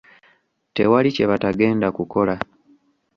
Tewali kye batagenda kukola.